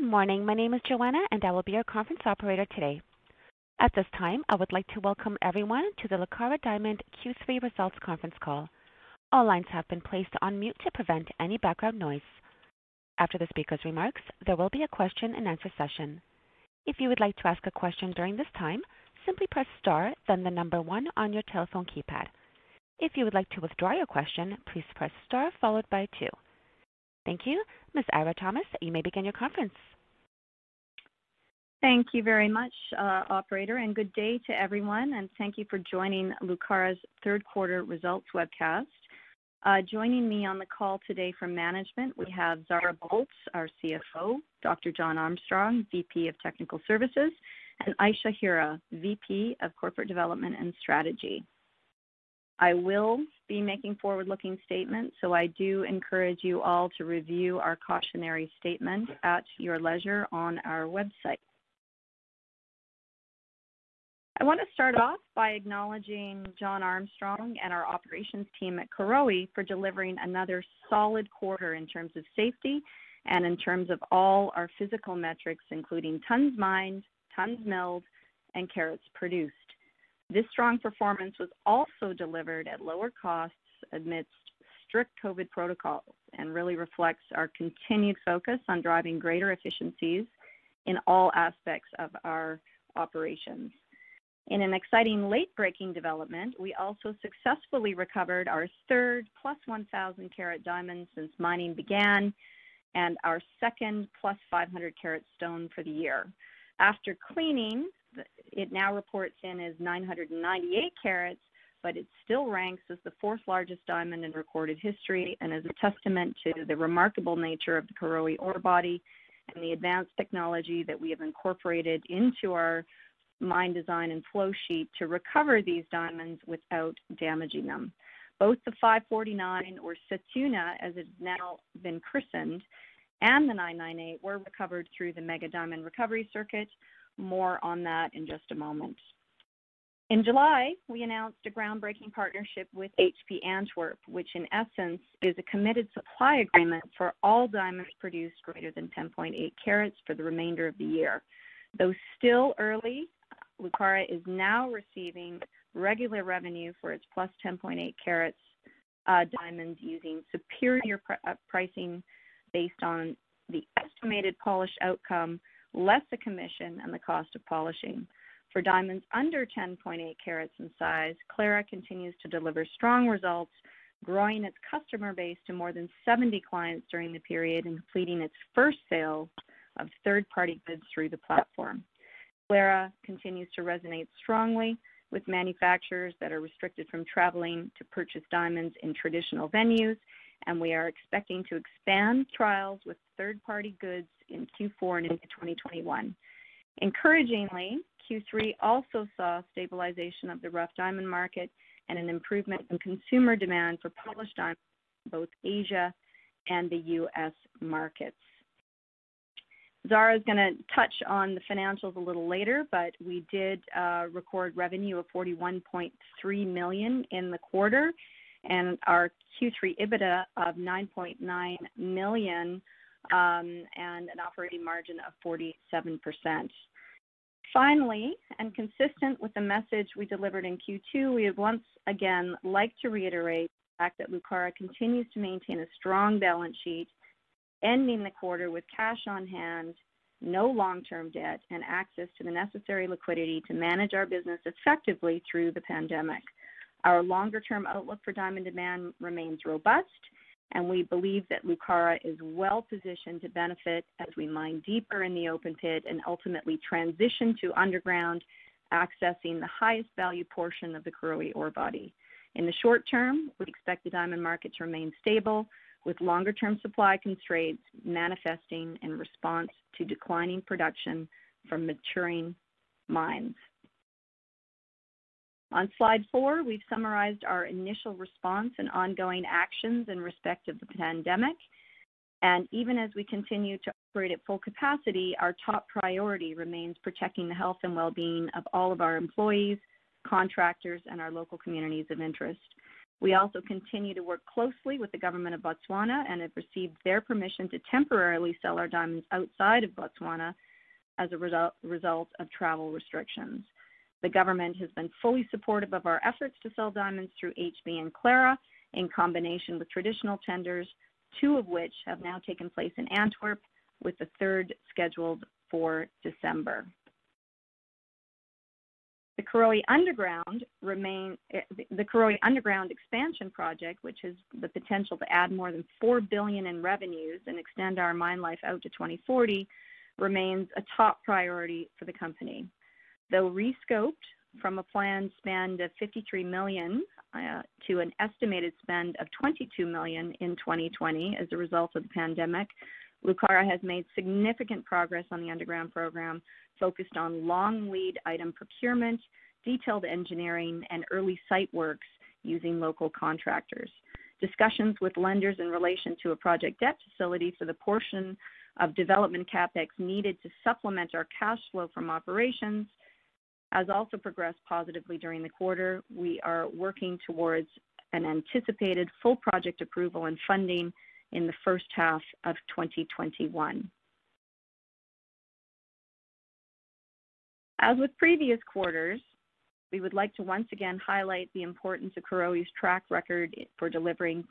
Good morning. My name is Joanna, and I will be your conference operator today. At this time, I would like to welcome everyone to the Lucara Diamond Q3 Results Conference Call. All lines have been placed on mute to prevent any background noise. After the speaker's remarks, there will be a question and answer session. Ms. Eira Thomas, you may begin your conference. Thank you very much, operator. Good day to everyone, and thank you for joining Lucara's third quarter results webcast. Joining me on the call today from management, we have Zara Boldt, our CFO, Dr. John Armstrong, VP of Technical Services, and Ayesha Hira, VP of Corporate Development and Strategy. I will be making forward-looking statements, I do encourage you all to review our cautionary statement at your leisure on our website. I want to start off by acknowledging John Armstrong and our operations team at Karowe for delivering another solid quarter in terms of safety and in terms of all our physical metrics, including tons mined, tons milled, and carats produced. This strong performance was also delivered at lower costs amidst strict COVID protocols and really reflects our continued focus on driving greater efficiencies in all aspects of our operations. In an exciting late-breaking development, we also successfully recovered our third plus 1,000 carat diamond since mining began and our second plus 500 carat stone for the year. After cleaning, it now reports in as 998 carats, but it still ranks as the fourth largest diamond in recorded history and is a testament to the remarkable nature of the Karowe ore body and the advanced technology that we have incorporated into our mine design and flow sheet to recover these diamonds without damaging them. Both the 549, or Sethunya, as it's now been christened, and the 998 were recovered through the Mega Diamond Recovery circuit. More on that in just a moment. In July, we announced a groundbreaking partnership with HB Antwerp, which in essence is a committed supply agreement for all diamonds produced greater than 10.8 carats for the remainder of the year. Though still early, Lucara is now receiving regular revenue for its plus 10.8 carats diamonds using superior pricing based on the estimated polish outcome, less the commission and the cost of polishing. For diamonds under 10.8 carats in size, Clara continues to deliver strong results, growing its customer base to more than 70 clients during the period, and completing its first sale of third-party goods through the platform. Clara continues to resonate strongly with manufacturers that are restricted from traveling to purchase diamonds in traditional venues, and we are expecting to expand trials with third-party goods in Q4 and into 2021. Encouragingly, Q3 also saw stabilization of the rough diamond market and an improvement in consumer demand for polished diamonds in both Asia and the U.S. markets. Zara is gonna touch on the financials a little later, but we did record revenue of $41.3 million in the quarter and our Q3 EBITDA of $9.9 million, and an operating margin of 47%. Finally, and consistent with the message we delivered in Q2, we would once again like to reiterate the fact that Lucara continues to maintain a strong balance sheet, ending the quarter with cash on hand, no long-term debt, and access to the necessary liquidity to manage our business effectively through the pandemic. Our longer-term outlook for diamond demand remains robust, and we believe that Lucara is well-positioned to benefit as we mine deeper in the open pit and ultimately transition to underground, accessing the highest value portion of the Karowe ore body. In the short term, we expect the diamond market to remain stable with longer-term supply constraints manifesting in response to declining production from maturing mines. On slide four, we've summarized our initial response and ongoing actions in respect of the pandemic. Even as we continue to operate at full capacity, our top priority remains protecting the health and well-being of all of our employees, contractors, and our local communities of interest. We also continue to work closely with the government of Botswana and have received their permission to temporarily sell our diamonds outside of Botswana as a result of travel restrictions. The government has been fully supportive of our efforts to sell diamonds through HB and Clara, in combination with traditional tenders, two of which have now taken place in Antwerp, with the third scheduled for December. The Karowe Underground Expansion project, which has the potential to add more than $4 billion in revenues and extend our mine life out to 2040, remains a top priority for the company. Though re-scoped from a planned spend of $53 million to an estimated spend of $22 million in 2020 as a result of the pandemic, Lucara has made significant progress on the underground program, focused on long lead item procurement, detailed engineering, and early site works using local contractors. Discussions with lenders in relation to a project debt facility for the portion of development CapEx needed to supplement our cash flow from operations has also progressed positively during the quarter. We are working towards an anticipated full project approval and funding in the first half of 2021. As with previous quarters, we would like to once again highlight the importance of Karowe's track record for delivering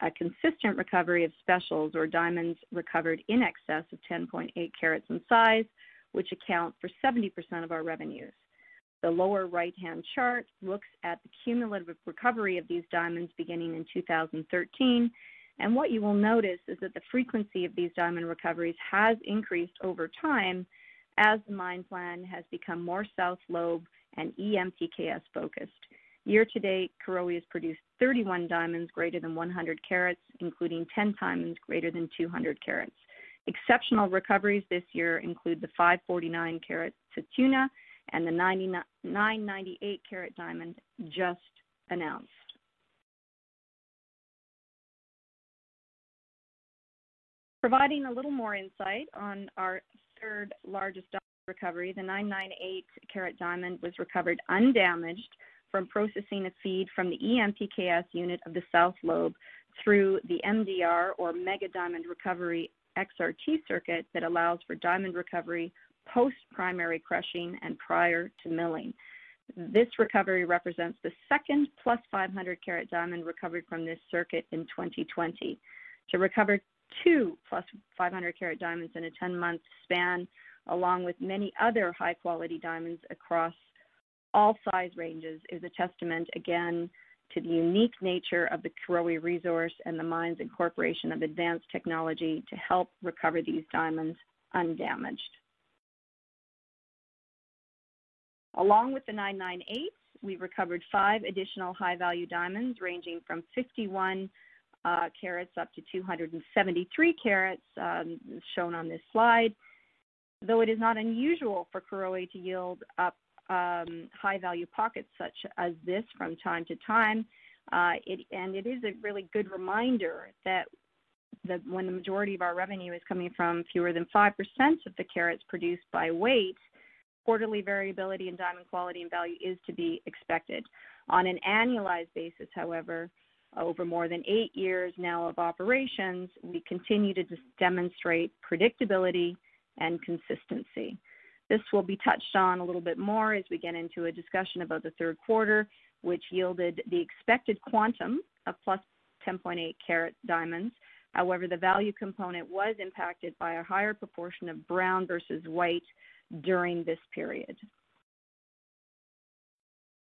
a consistent recovery of specials or diamonds recovered in excess of 10.8 carats in size, which account for 70% of our revenues. The lower right-hand chart looks at the cumulative recovery of these diamonds beginning in 2013, and what you will notice is that the frequency of these diamond recoveries has increased over time as the mine plan has become more South Lobe and EMPKS focused. Year to date, Karowe has produced 31 diamonds greater than 100 carats, including 10 diamonds greater than 200 carats. Exceptional recoveries this year include the 549-carat Sethunya and the 998-carat diamond just announced. Providing a little more insight on our third largest diamond recovery, the 998-carat diamond was recovered undamaged from processing of feed from the EMPKS unit of the South lobe through the MDR or Mega Diamond Recovery XRT circuit that allows for diamond recovery post-primary crushing and prior to milling. This recovery represents the second plus 500-carat diamond recovered from this circuit in 2020. To recover two plus 500-carat diamonds in a 10-month span, along with many other high-quality diamonds across all size ranges is a testament again to the unique nature of the Karowe resource and the mine's incorporation of advanced technology to help recover these diamonds undamaged. Along with the 998, we recovered five additional high-value diamonds ranging from 51 carats up to 273 carats, shown on this slide. Though it is not unusual for Karowe to yield up high-value pockets such as this from time to time, and it is a really good reminder that when the majority of our revenue is coming from fewer than five percent of the carats produced by weight, quarterly variability in diamond quality and value is to be expected. On an annualized basis, however, over more than eight years now of operations, we continue to demonstrate predictability and consistency. This will be touched on a little bit more as we get into a discussion about the third quarter, which yielded the expected quantum of plus 10.8-carat diamonds. However, the value component was impacted by a higher proportion of brown versus white during this period.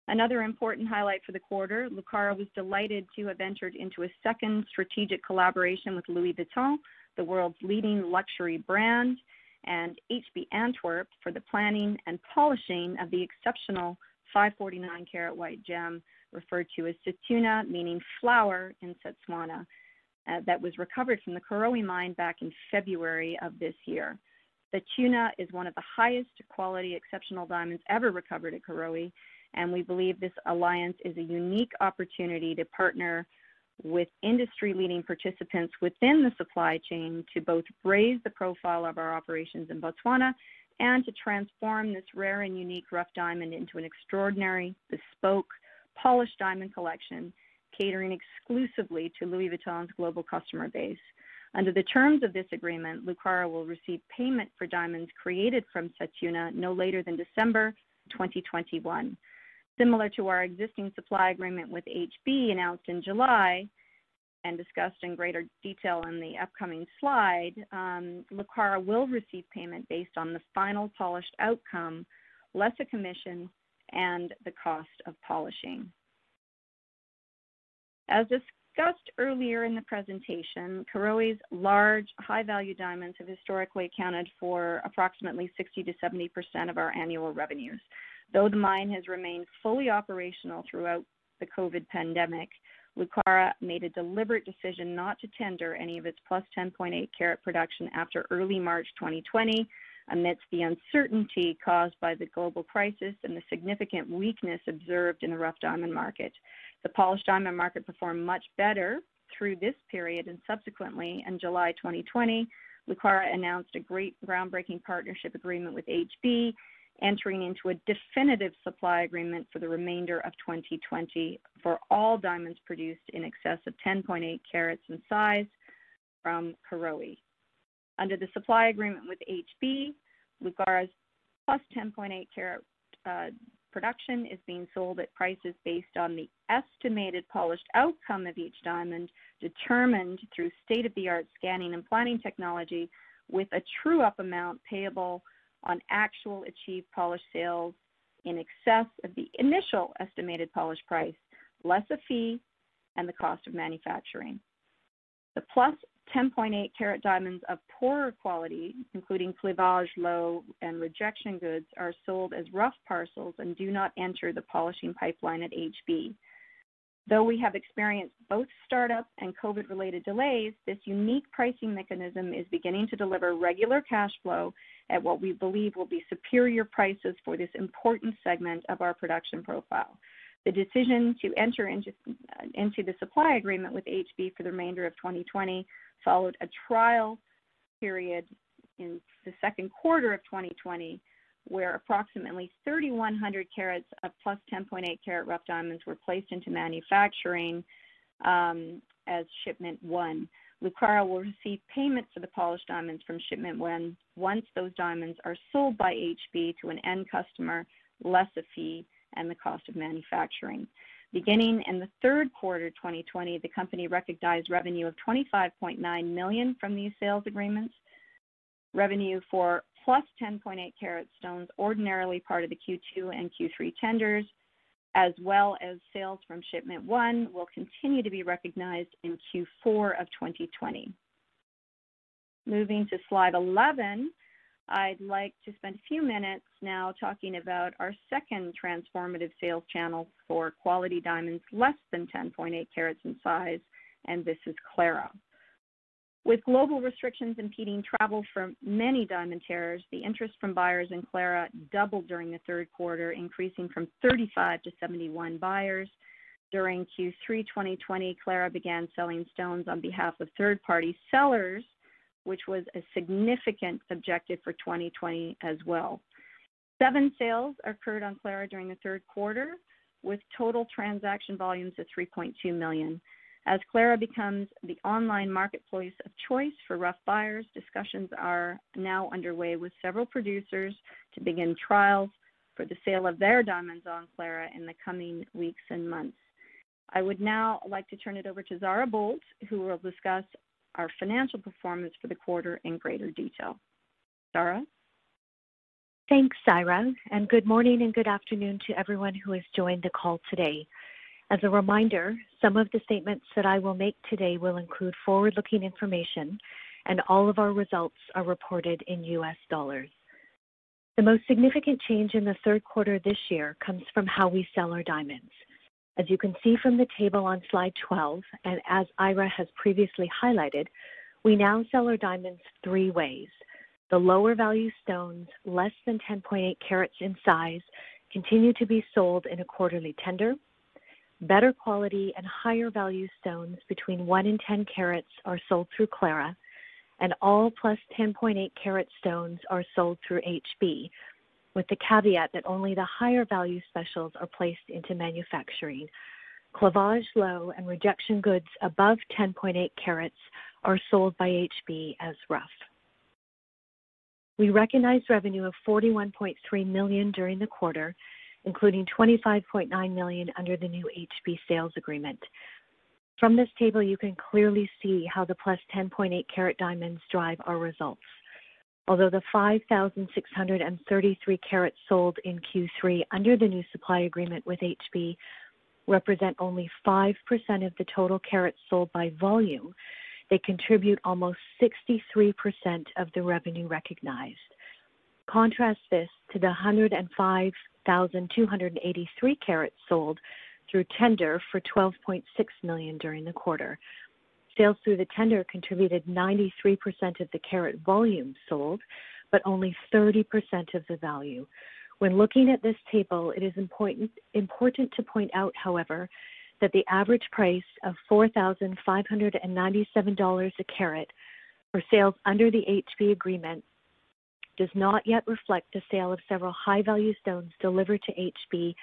Another important highlight for the quarter, Lucara was delighted to have entered into a second strategic collaboration with Louis Vuitton, the world's leading luxury brand, and HB Antwerp for the planning and polishing of the exceptional 549-carat white gem referred to as Sethunya, meaning flower in Setswana, that was recovered from the Karowe Mine back in February of this year. Sethunya is one of the highest quality exceptional diamonds ever recovered at Karowe, and we believe this alliance is a unique opportunity to partner with industry-leading participants within the supply chain to both raise the profile of our operations in Botswana and to transform this rare and unique rough diamond into an extraordinary, bespoke polished diamond collection catering exclusively to Louis Vuitton's global customer base. Under the terms of this agreement, Lucara will receive payment for diamonds created from Sethunya no later than December 2021. Similar to our existing supply agreement with HB announced in July and discussed in greater detail in the upcoming slide, Lucara will receive payment based on the final polished outcome, less a commission and the cost of polishing. As discussed earlier in the presentation, Karowe's large, high-value diamonds have historically accounted for approximately 60%-70% of our annual revenues. Though the mine has remained fully operational throughout the COVID pandemic, Lucara made a deliberate decision not to tender any of its plus 10.8-carat production after early March 2020 amidst the uncertainty caused by the global crisis and the significant weakness observed in the rough diamond market. The polished diamond market performed much better through this period and subsequently. In July 2020, Lucara announced a great groundbreaking partnership agreement with HB, entering into a definitive supply agreement for the remainder of 2020 for all diamonds produced in excess of 10.8 carats in size from Karowe. Under the supply agreement with HB, Lucara's plus 10.8-carat production is being sold at prices based on the estimated polished outcome of each diamond, determined through state-of-the-art scanning and planning technology with a true-up amount payable on actual achieved polished sales in excess of the initial estimated polished price, less a fee and the cost of manufacturing. The plus 10.8-carat diamonds of poorer quality, including cleavage, low, and rejection goods are sold as rough parcels and do not enter the polishing pipeline at HB. Though we have experienced both startup and COVID-related delays, this unique pricing mechanism is beginning to deliver regular cash flow at what we believe will be superior prices for this important segment of our production profile. The decision to enter into the supply agreement with HB for the remainder of 2020 followed a trial period in the Q2 of 2020, where approximately 3,100 carats of plus 10.8 carat rough diamonds were placed into manufacturing as shipment one. Lucara will receive payments for the polished diamonds from shipment one, once those diamonds are sold by HB to an end customer, less a fee and the cost of manufacturing. Beginning in the Q3 2020, the company recognized revenue of $25.9 million from these sales agreements. Revenue for plus 10.8 carat stones ordinarily part of the Q2 and Q3 tenders, as well as sales from shipment one will continue to be recognized in Q4 of 2020. Moving to slide 11, I'd like to spend a few minutes now talking about our second transformative sales channel for quality diamonds less than 10.8 carats in size, and this is Clara. With global restrictions impeding travel from many diamond markets, the interest from buyers in Clara doubled during the Q3, increasing from 35 to 71 buyers. During Q3 2020, Clara began selling stones on behalf of third-party sellers, which was a significant objective for 2020 as well. Seven sales occurred on Clara during the Q3, with total transaction volumes of $3.2 million. As Clara becomes the online marketplace of choice for rough buyers, discussions are now underway with several producers to begin trials for the sale of their diamonds on Clara in the coming weeks and months. I would now like to turn it over to Zara Boldt, who will discuss our financial performance for the quarter in greater detail. Zara? Thanks, Eira, good morning and good afternoon to everyone who has joined the call today. As a reminder, some of the statements that I will make today will include forward-looking information, and all of our results are reported in US dollars. The most significant change in the Q3 this year comes from how we sell our diamonds. As you can see from the table on slide 12, and as Eira has previously highlighted, we now sell our diamonds three ways. The lower value stones, less than 10.8 carats in size, continue to be sold in a quarterly tender. Better quality and higher value stones between one and 10 carats are sold through Clara, and all plus 10.8 carat stones are sold through HB, with the caveat that only the higher value specials are placed into manufacturing. cleavage low and rejection goods above 10.8 carats are sold by HB as rough. We recognized revenue of $41.3 million during the quarter, including $25.9 million under the new HB sales agreement. From this table, you can clearly see how the plus 10.8 carat diamonds drive our results. Although the 5,633 carats sold in Q3 under the new supply agreement with HB represent only five percent of the total carats sold by volume, they contribute almost 63% of the revenue recognized. Contrast this to the 105,283 carats sold through tender for $12.6 million during the quarter. Sales through the tender contributed 93% of the carat volume sold, but only 30% of the value. When looking at this table, it is important to point out, however, that the average price of $4,597 a carat for sales under the HB agreement does not yet reflect the sale of several high-value stones delivered to HB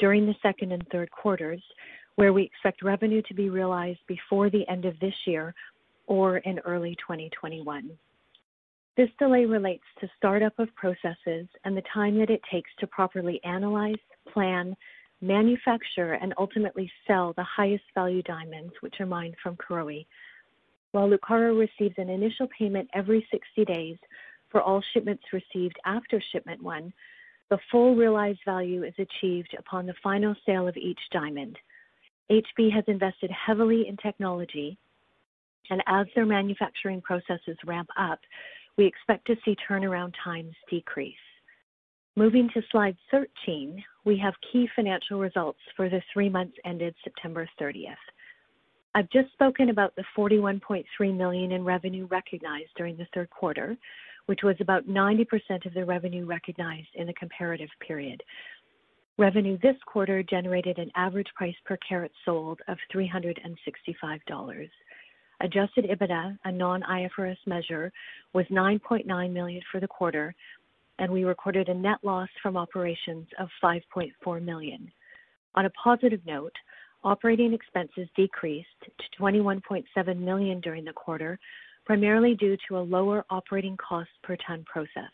during the Q2 and Q3, where we expect revenue to be realized before the end of this year or in early 2021. This delay relates to startup of processes and the time that it takes to properly analyze, plan, manufacture, and ultimately sell the highest value diamonds, which are mined from Karowe. While Lucara receives an initial payment every 60 days for all shipments received after shipment one, the full realized value is achieved upon the final sale of each diamond. HB has invested heavily in technology, and as their manufacturing processes ramp up, we expect to see turnaround times decrease. Moving to slide 13, we have key financial results for the three months ended September 30th. I've just spoken about the $41.3 million in revenue recognized during the third quarter, which was about 90% of the revenue recognized in the comparative period. Revenue this quarter generated an average price per carat sold of $365. Adjusted EBITDA, a non-IFRS measure, was $9.9 million for the quarter, and we recorded a net loss from operations of $5.4 million. On a positive note, operating expenses decreased to $21.7 million during the quarter, primarily due to a lower operating cost per ton processed.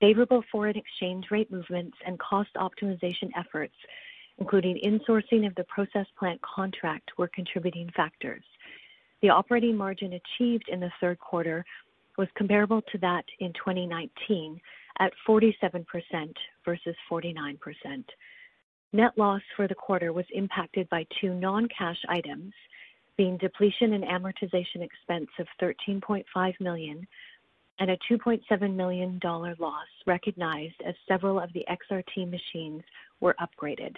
Favorable foreign exchange rate movements and cost optimization efforts, including insourcing of the process plant contract, were contributing factors. The operating margin achieved in the Q3 was comparable to that in 2019 at 47% versus 49%. Net loss for the quarter was impacted by two non-cash items, being depletion and amortization expense of $13.5 million and a $2.7 million loss recognized as several of the XRT machines were upgraded.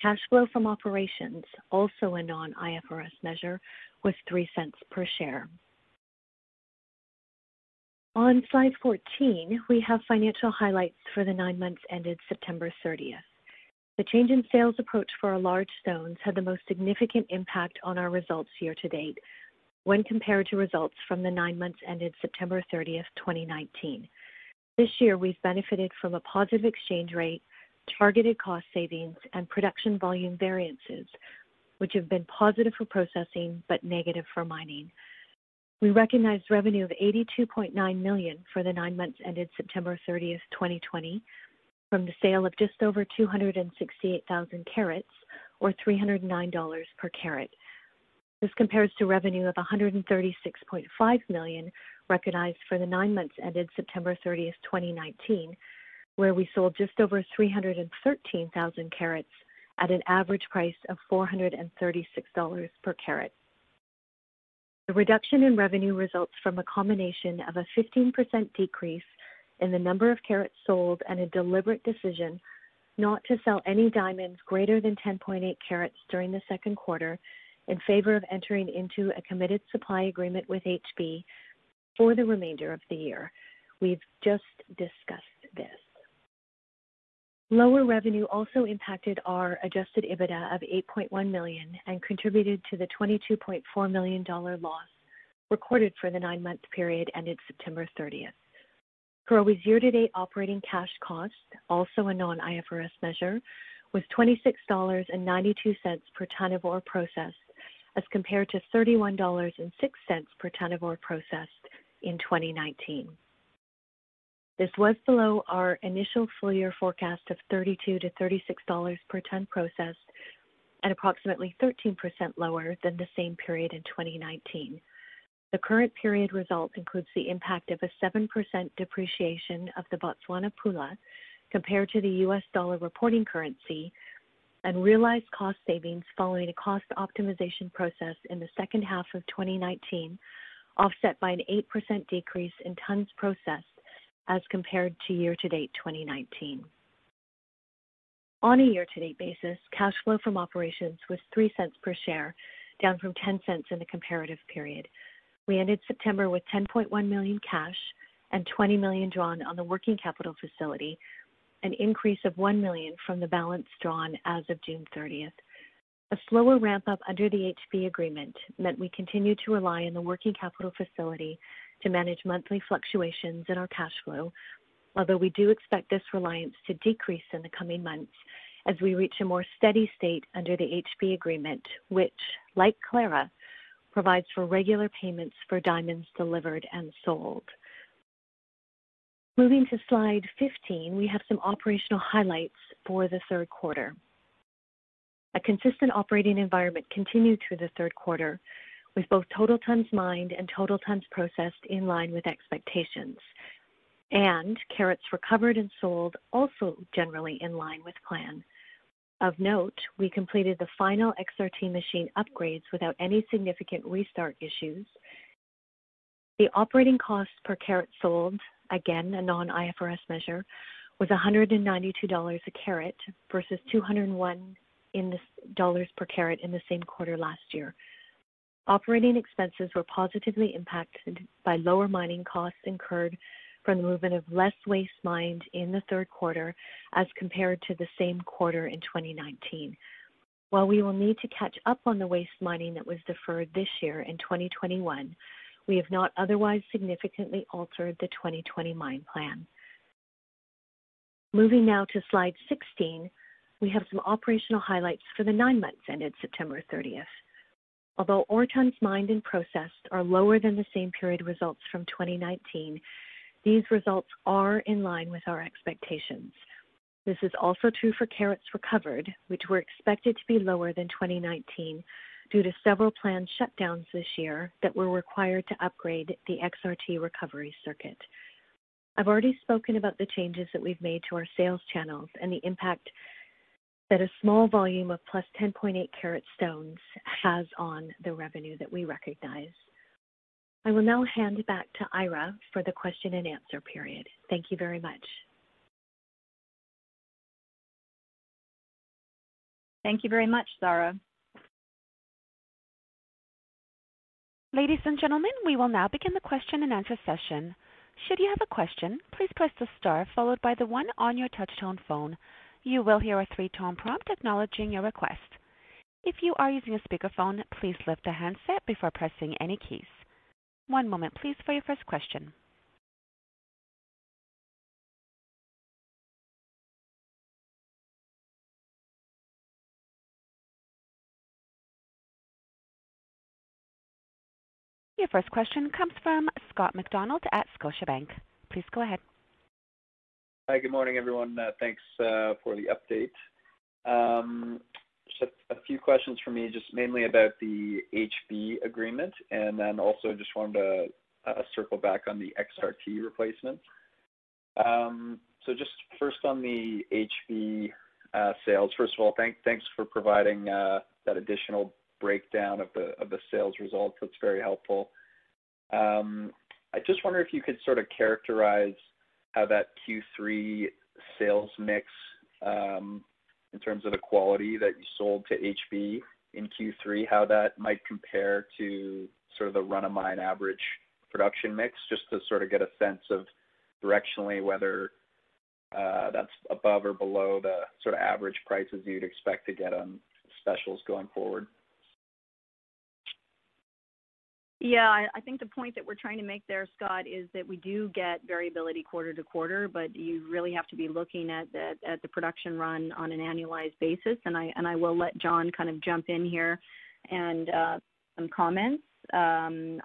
Cash flow from operations, also a non-IFRS measure, was $0.03 per share. On slide 14, we have financial highlights for the nine months ended September 30. The change in sales approach for our large stones had the most significant impact on our results year-to-date when compared to results from the nine months ended September 30, 2019. This year, we've benefited from a positive exchange rate, targeted cost savings, and production volume variances, which have been positive for processing but negative for mining. We recognized revenue of $82.9 million for the nine months ended September 30, 2020, from the sale of just over 268,000 carats or $309 per carat. This compares to revenue of $136.5 million recognized for the nine months ended September 30, 2019, where we sold just over 313,000 carats at an average price of $436 per carat. The reduction in revenue results from a combination of a 15% decrease in the number of carats sold and a deliberate decision not to sell any diamonds greater than 10.8 carats during the second quarter in favor of entering into a committed supply agreement with HB for the remainder of the year. We've just discussed this. Lower revenue also impacted our adjusted EBITDA of $8.1 million and contributed to the $22.4 million loss recorded for the nine-month period ended September 30. Karowe's year-to-date operating cash cost, also a non-IFRS measure, was $26.92 per tonne of ore processed as compared to $31.06 per tonne of ore processed in 2019. This was below our initial full-year forecast of $32 - $36 per tonne processed and approximately 13% lower than the same period in 2019. The current period results include the impact of a seven percent depreciation of the Botswana pula compared to the US dollar reporting currency and realized cost savings following a cost optimization process in the second half of 2019, offset by an eight percent decrease in tonnes processed as compared to year-to-date 2019. On a year-to-date basis, cash flow from operations was $0.03 per share, down from $0.10 in the comparative period. We ended September with $10.1 million cash and $20 million drawn on the working capital facility, an increase of $1 million from the balance drawn as of June 30th. A slower ramp-up under the HB agreement meant we continued to rely on the working capital facility to manage monthly fluctuations in our cash flow. Although we do expect this reliance to decrease in the coming months as we reach a more steady state under the HB agreement, which, like Clara, provides for regular payments for diamonds delivered and sold. Moving to slide 15, we have some operational highlights for the third quarter. A consistent operating environment continued through the third quarter, with both total tons mined and total tons processed in line with expectations, and carats recovered and sold also generally in line with plan. Of note, we completed the final XRT machine upgrades without any significant restart issues. The operating cost per carat sold, again, a non-IFRS measure, was $192 a carat versus $201 per carat in the same quarter last year. Operating expenses were positively impacted by lower mining costs incurred from the movement of less waste mined in the third quarter as compared to the same quarter in 2019. While we will need to catch up on the waste mining that was deferred this year in 2021, we have not otherwise significantly altered the 2020 mine plan. Moving now to slide 16, we have some operational highlights for the nine months ended September 30th. Although ore tonnes mined and processed are lower than the same period results from 2019, these results are in line with our expectations. This is also true for carats recovered, which were expected to be lower than 2019 due to several planned shutdowns this year that were required to upgrade the XRT recovery circuit. I've already spoken about the changes that we've made to our sales channels and the impact that a small volume of plus 10.8 carat stones has on the revenue that we recognize. I will now hand it back to Eira for the question and answer period. Thank you very much. Thank you very much, Zara. Ladies and gentlemen, we will now begin the question and answer session. Should you have a question, please press the star followed by the one on your touch tone phone. You will hear a three-tone prompt acknowledging your request. If you are using a speakerphone, please lift the handset before pressing any keys. One moment please for your first question. Your first question comes from Scott MacDonald at Scotiabank. Please go ahead. Hi. Good morning, everyone. Thanks for the update. Just a few questions from me, just mainly about the HB agreement, also just wanted to circle back on the XRT replacement. Just first on the HB sales. First of all, thanks for providing that additional breakdown of the sales results. That's very helpful. I just wonder if you could sort of characterize how that Q3 sales mix, in terms of the quality that you sold to HB in Q3, how that might compare to the run-of-mine average production mix, just to get a sense of directionally whether that's above or below the average prices you'd expect to get on specials going forward? Yeah, I think the point that we're trying to make there, Scott, is that we do get variability quarter to quarter, but you really have to be looking at the production run on an annualized basis. I will let John jump in here and some comments on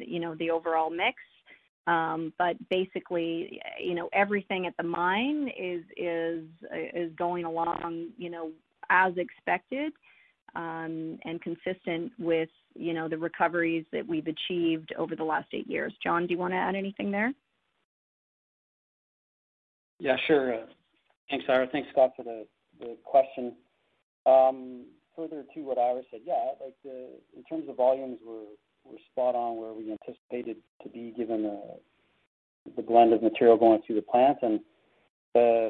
the overall mix. Basically, everything at the mine is going along as expected, and consistent with the recoveries that we've achieved over the last eight years. John, do you want to add anything there? Sure. Thanks, Eira. Thanks, Scott, for the question. Further to what Eira said, in terms of volumes, we're spot on where we anticipated to be given the blend of material going through the plant and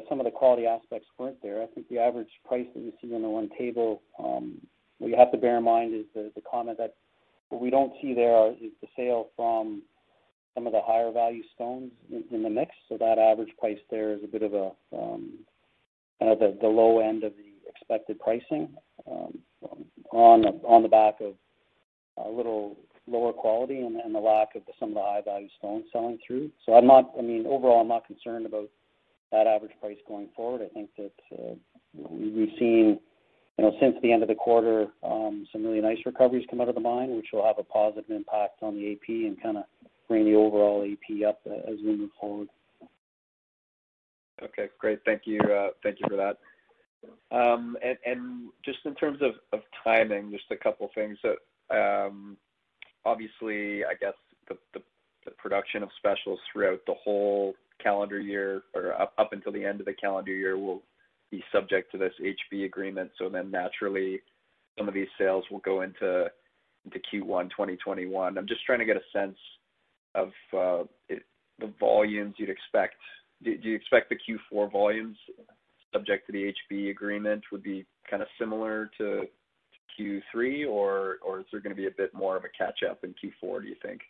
some of the quality aspects weren't there. I think the average price that you see on the one table, what you have to bear in mind is the comment that what we don't see there is the sale from some of the higher value stones in the mix. That average price there is a bit of the low end of the expected pricing, on the back of a little lower quality and the lack of some of the high-value stones selling through. Overall, I'm not concerned about that average price going forward. I think that we've seen, since the end of the quarter, some really nice recoveries come out of the mine, which will have a positive impact on the AP and bring the overall AP up as we move forward. Okay, great. Thank you for that. Just in terms of timing, just a couple things. Obviously, I guess the production of specials throughout the whole calendar year or up until the end of the calendar year will be subject to this HB agreement. Naturally, some of these sales will go into Q1 2021. I'm just trying to get a sense of the volumes you'd expect. Do you expect the Q4 volumes subject to the HB agreement would be similar to Q3, or is there going to be a bit more of a catch-up in Q4, do you think?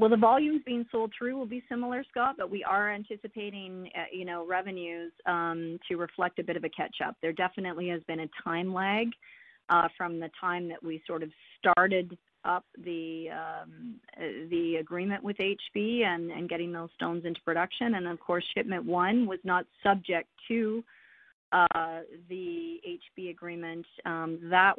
The volumes being sold through will be similar, Scott, but we are anticipating revenues to reflect a bit of a catch-up. There definitely has been a time lag from the time that we started up the agreement with HB and getting those stones into production. Of course, shipment one was not subject to the HB agreement. That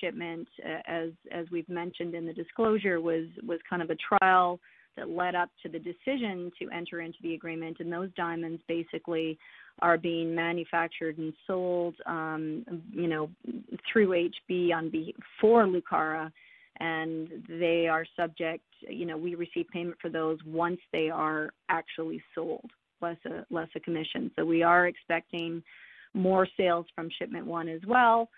shipment, as we've mentioned in the disclosure, was a trial that led up to the decision to enter into the agreement. Those diamonds basically are being manufactured and sold through HB for Lucara, and we receive payment for those once they are actually sold, less a commission. We are expecting more sales from shipment one as well.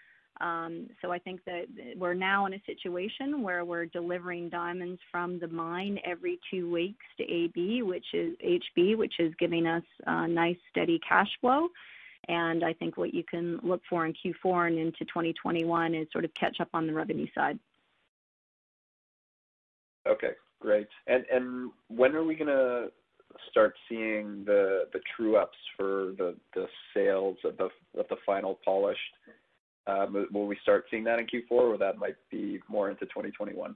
I think that we're now in a situation where we're delivering diamonds from the mine every two weeks to HB, which is giving us a nice, steady cash flow. I think what you can look for in Q4 and into 2021 is catch up on the revenue side. Okay, great. When are we going to start seeing the true-ups for the sales of the final polish? Will we start seeing that in Q4, or that might be more into 2021?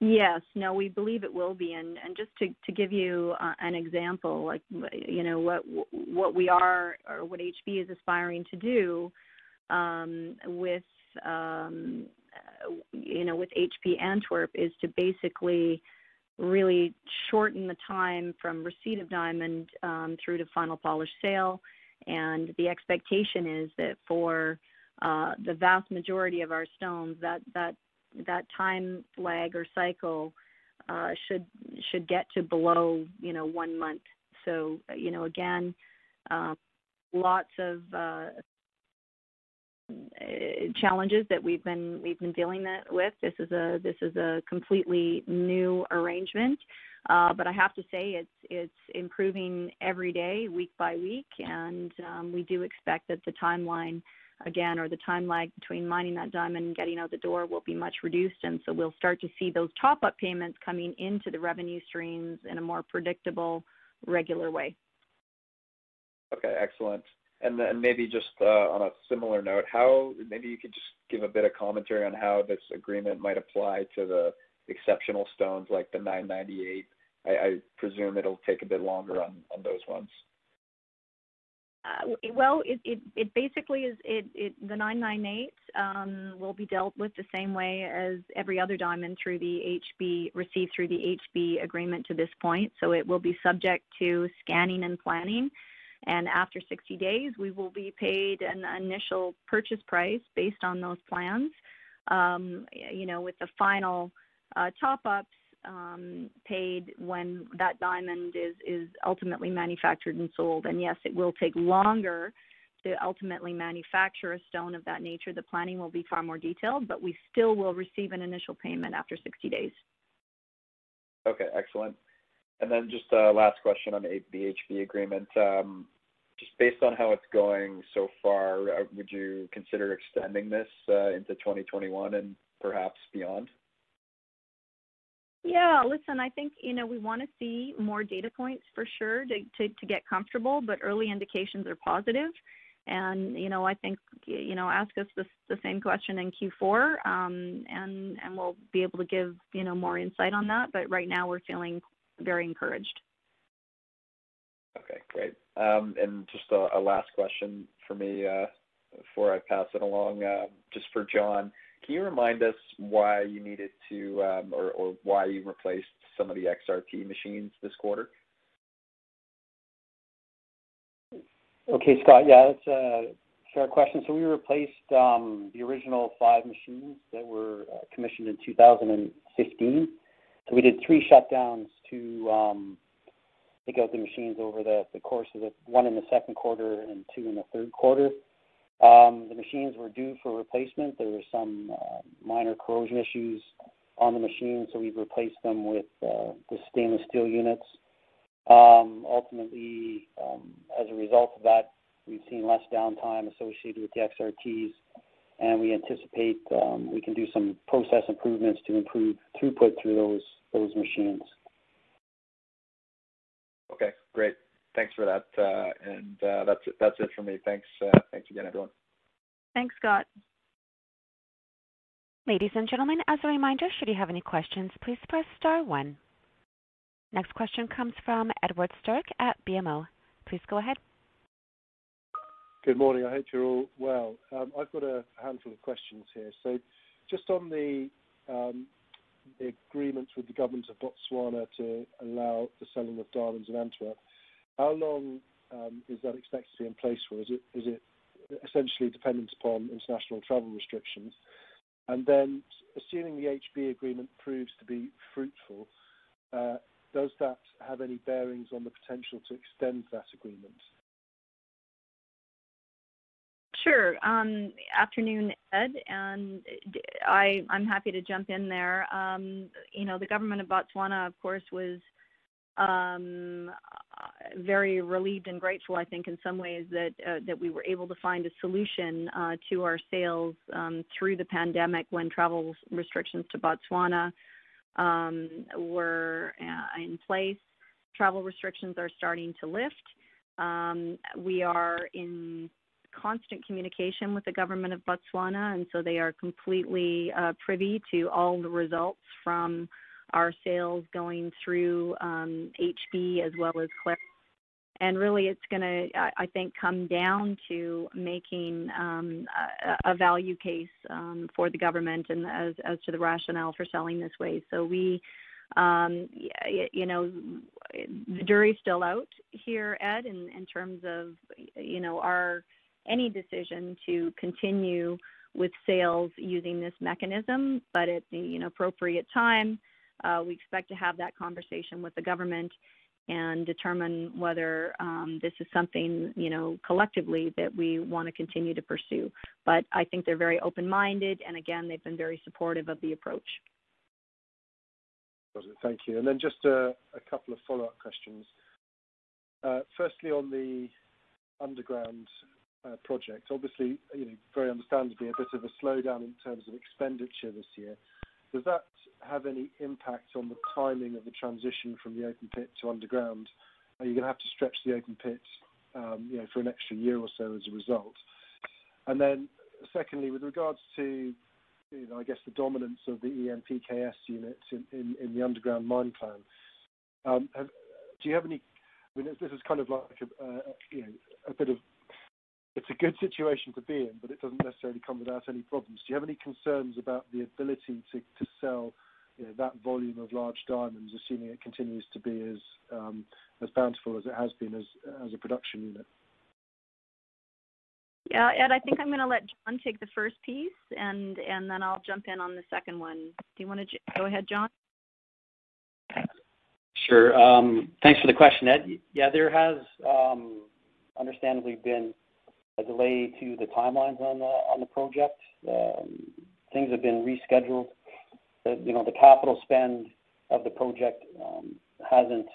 Yes. No, we believe it will be. Just to give you an example, what HB is aspiring to do with HB Antwerp is to basically really shorten the time from receipt of diamond through to final polish sale. The expectation is that for the vast majority of our stones, that time lag or cycle should get to below one month. Again, lots of challenges that we've been dealing with. This is a completely new arrangement. I have to say, it's improving every day, week by week, and we do expect that the timeline, again, or the time lag between mining that diamond and getting it out the door will be much reduced. We'll start to see those top-up payments coming into the revenue streams in a more predictable, regular way. Okay, excellent. Maybe just on a similar note, maybe you could just give a bit of commentary on how this agreement might apply to the exceptional stones like the 998. I presume it'll take a bit longer on those ones. Well, basically, the 998 will be dealt with the same way as every other diamond received through the HB agreement to this point. It will be subject to scanning and planning. After 60 days, we will be paid an initial purchase price based on those plans with the final top-ups paid when that diamond is ultimately manufactured and sold. Yes, it will take longer to ultimately manufacture a stone of that nature. The planning will be far more detailed, we still will receive an initial payment after 60 days. Okay, excellent. Just a last question on the HB agreement. Just based on how it's going so far, would you consider extending this into 2021 and perhaps beyond? Yeah. Listen, I think we want to see more data points for sure to get comfortable, but early indications are positive. I think, ask us the same question in Q4, and we'll be able to give more insight on that. Right now we're feeling very encouraged. Okay, great. Just a last question from me before I pass it along, just for John. Can you remind us why you needed to or why you replaced some of the XRT machines this quarter? Okay, Scott. Yeah, that's a fair question. We replaced the original five machines that were commissioned in 2015. We did three shutdowns to take out the machines over the course of the one in the second quarter and two in the Q3. The machines were due for replacement. There were some minor corrosion issues on the machines. We've replaced them with the stainless steel units. Ultimately, as a result of that, we've seen less downtime associated with the XRTs, and we anticipate we can do some process improvements to improve throughput through those machines. Okay, great. Thanks for that. That's it from me. Thanks again, everyone. Thanks, Scott. Ladies and gentlemen, as a reminder, should you have any questions, please press star one. Next question comes from Edward Sterck at BMO. Please go ahead. Good morning. I hope you're all well. I've got a handful of questions here. Just on the agreement with the government of Botswana to allow the selling of diamonds in Antwerp, how long is that expected to be in place for? Is it essentially dependent upon international travel restrictions? Assuming the HB agreement proves to be fruitful, does that have any bearings on the potential to extend that agreement? Sure. Afternoon, Ed, I'm happy to jump in there. The Government of Botswana, of course, was very relieved and grateful, I think, in some ways that we were able to find a solution to our sales through the pandemic when travel restrictions to Botswana were in place. Travel restrictions are starting to lift. We are in constant communication with the Government of Botswana, they are completely privy to all the results from our sales going through HB as well as Clara. Really it's going to, I think, come down to making a value case for the Government and as to the rationale for selling this way. The jury's still out here, Ed, in terms of any decision to continue with sales using this mechanism. At the appropriate time, we expect to have that conversation with the government and determine whether this is something collectively that we want to continue to pursue. I think they're very open-minded, and again, they've been very supportive of the approach. Thank you. Just a couple of follow-up questions. Firstly, on the underground project, obviously, very understandably, a bit of a slowdown in terms of expenditure this year. Does that have any impact on the timing of the transition from the open pit to underground? Are you going to have to stretch the open pit for an extra year or so as a result? Secondly, with regards to, I guess, the dominance of the EMPKS units in the underground mine plan, this is a bit of it's a good situation to be in, but it doesn't necessarily come without any problems. Do you have any concerns about the ability to sell that volume of large diamonds, assuming it continues to be as bountiful as it has been as a production unit? Yeah. Ed, I think I'm going to let John take the first piece, and then I'll jump in on the second one. Do you want to go ahead, John? Sure. Thanks for the question, Ed. Yeah, there has understandably been a delay to the timelines on the project. Things have been rescheduled. The capital spend of the project hasn't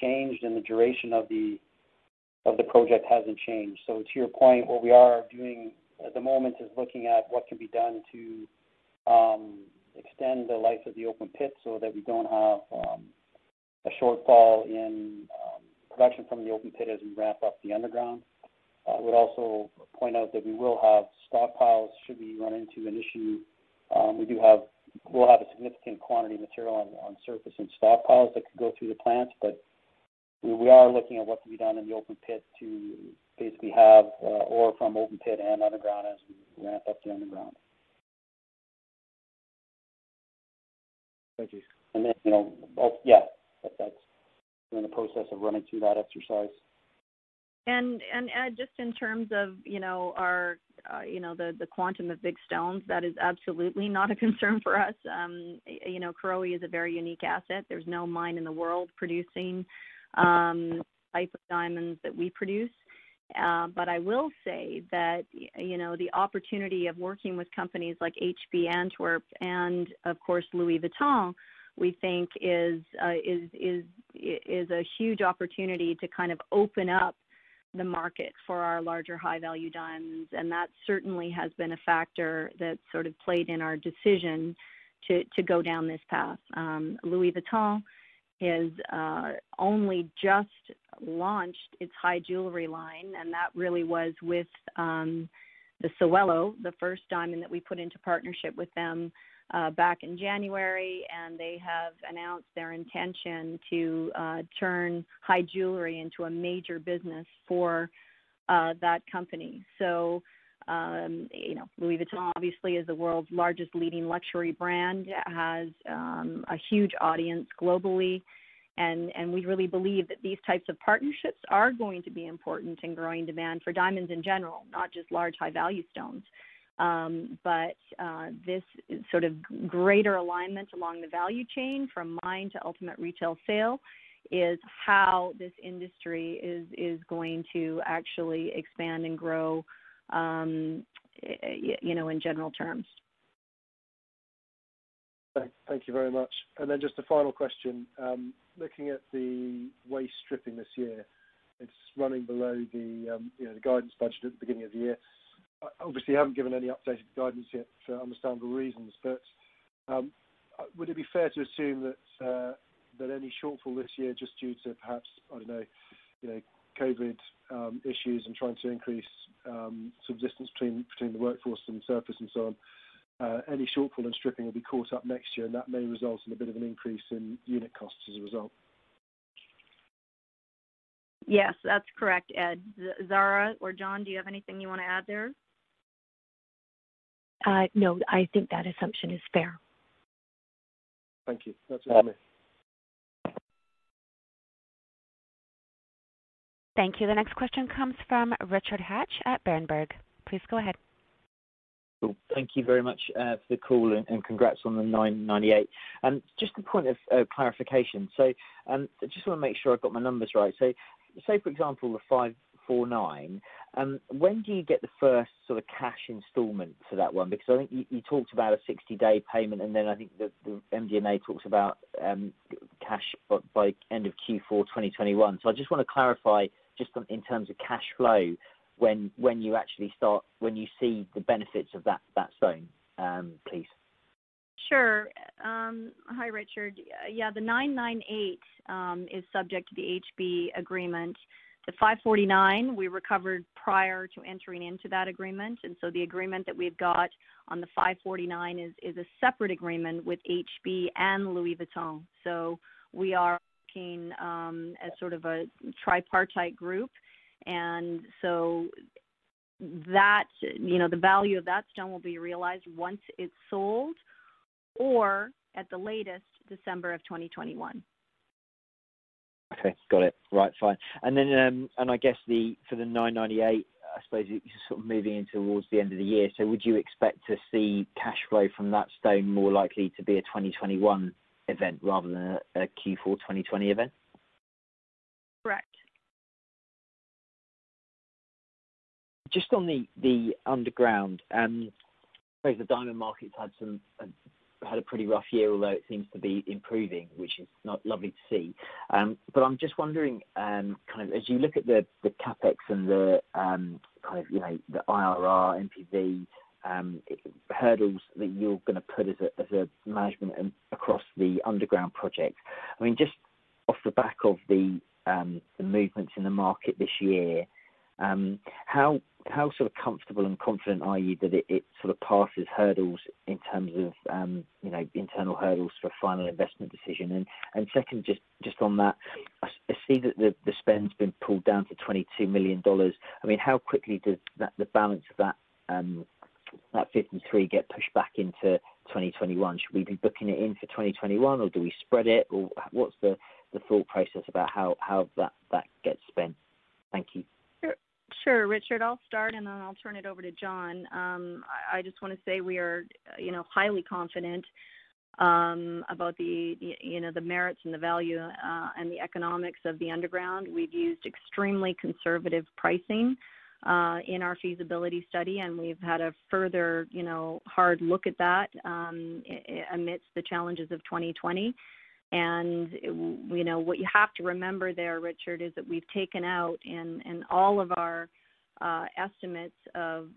changed, and the duration of the project hasn't changed. To your point, what we are doing at the moment is looking at what can be done to extend the life of the open pit so that we don't have a shortfall in production from the open pit as we ramp up the underground. I would also point out that we will have stockpiles should we run into an issue. We'll have a significant quantity of material on surface and stockpiles that could go through the plant. We are looking at what can be done in the open pit to basically have ore from open pit and underground as we ramp up the underground. Thank you. Yeah, that's in the process of running through that exercise. Ed, just in terms of the quantum of big stones, that is absolutely not a concern for us. Karowe is a very unique asset. There's no mine in the world producing the type of diamonds that we produce. I will say that the opportunity of working with companies like HB Antwerp and of course, Louis Vuitton, we think is a huge opportunity to open up the market for our larger high-value diamonds. That certainly has been a factor that played in our decision to go down this path. Louis Vuitton has only just launched its high jewelry line, and that really was with the Sewelô, the first diamond that we put into partnership with them back in January, and they have announced their intention to turn high jewelry into a major business for that company. Louis Vuitton, obviously, is the world's largest leading luxury brand, has a huge audience globally, and we really believe that these types of partnerships are going to be important in growing demand for diamonds in general, not just large high-value stones. This greater alignment along the value chain from mine to ultimate retail sale is how this industry is going to actually expand and grow in general terms. Thank you very much. Then just a final question. Looking at the waste stripping this year, it's running below the guidance budget at the beginning of the year. Obviously, you haven't given any updated guidance yet for understandable reasons, but would it be fair to assume that any shortfall this year, just due to perhaps, I don't know, COVID issues and trying to increase some distance between the workforce and the surface and so on, any shortfall in stripping will be caught up next year, and that may result in a bit of an increase in unit costs as a result? Yes. That's correct, Ed. Zara or John, do you have anything you want to add there? No, I think that assumption is fair. Thank you. That's all for me. Thank you. The next question comes from Richard Hatch at Berenberg. Please go ahead. Thank you very much for the call, congrats on the 998. Just a point of clarification. I just want to make sure I've got my numbers right. Say, for example, the 549, when do you get the first cash installment for that one? I think you talked about a 60-day payment, then I think the MD&A talks about cash by end of Q4 2021. I just want to clarify, just in terms of cash flow, when you see the benefits of that stone, please. Sure. Hi, Richard. Yeah, the 998 is subject to the HB agreement. The 549 we recovered prior to entering into that agreement, the agreement that we've got on the 549 is a separate agreement with HB and Louis Vuitton. We are working as sort of a tripartite group, the value of that stone will be realized once it's sold or at the latest December of 2021. Okay. Got it. Right. Fine. I guess for the 998, I suppose you're sort of moving in towards the end of the year. Would you expect to see cash flow from that stone more likely to be a 2021 event rather than a Q4 2020 event? Correct. Just on the Underground, I suppose the diamond market's had a pretty rough year, although it seems to be improving, which is lovely to see. I'm just wondering, as you look at the CapEx and the IRR, NPV hurdles that you're going to put as a management across the Underground project, I mean, just off the back of the movements in the market this year, how comfortable and confident are you that it passes hurdles in terms of internal hurdles for a final investment decision? Second, just on that, I see that the spend's been pulled down to $22 million. I mean, how quickly does the balance of that $53 get pushed back into 2021? Should we be booking it in for 2021, or do we spread it, or what's the thought process about how that gets spent? Thank you. Sure, Richard. I'll start, and then I'll turn it over to John. I just want to say we are highly confident about the merits and the value and the economics of the Underground. We've used extremely conservative pricing in our feasibility study, and we've had a further hard look at that amidst the challenges of 2020. What you have to remember there, Richard, is that we've taken out in all of our estimates of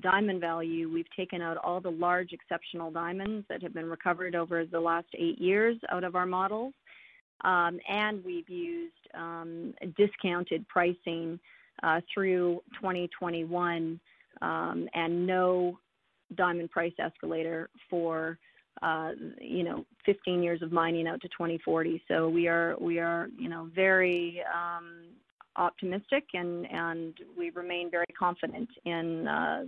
diamond value, we've taken out all the large exceptional diamonds that have been recovered over the last eight years out of our models. We've used discounted pricing through 2021, and no diamond price escalator for 15 years of mining out to 2040. We are very optimistic, and we remain very confident in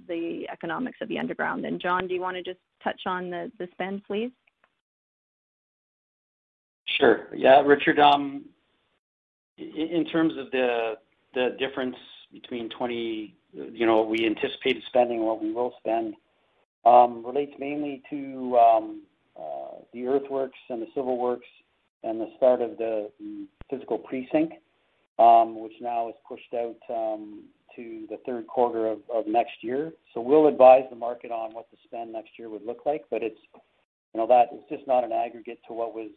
the economics of the Underground. John, do you want to just touch on the spend, please? Sure. Yeah, Richard, in terms of the difference between what we anticipated spending and what we will spend relates mainly to the earthworks and the civil works and the start of the physical precinct, which now is pushed out to the Q3 of next year. We'll advise the market on what the spend next year would look like, but it's just not in aggregate to what was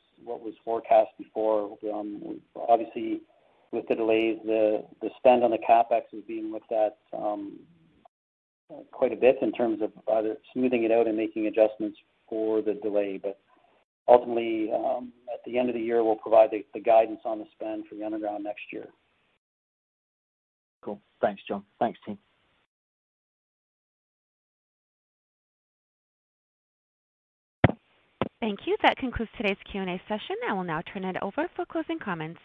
forecast before. Obviously, with the delays, the spend on the CapEx is being looked at quite a bit in terms of either smoothing it out and making adjustments for the delay. Ultimately, at the end of the year, we'll provide the guidance on the spend for the Underground next year. Cool. Thanks, John. Thanks, team. Thank you. That concludes today's Q&A session. I will now turn it over for closing comments.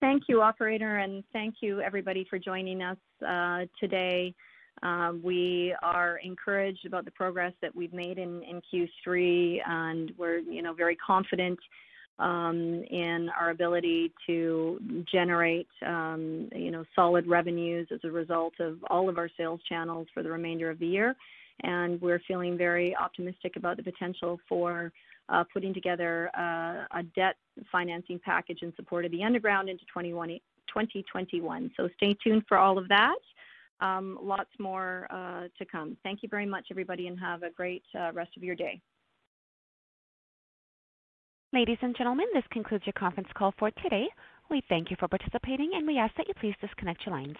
Thank you, operator, and thank you, everybody, for joining us today. We are encouraged about the progress that we've made in Q3, and we're very confident in our ability to generate solid revenues as a result of all of our sales channels for the remainder of the year. We're feeling very optimistic about the potential for putting together a debt financing package in support of the Underground into 2021. Stay tuned for all of that. Lots more to come. Thank you very much, everybody, and have a great rest of your day. Ladies and gentlemen, this concludes your conference call for today. We thank you for participating, and we ask that you please disconnect your lines.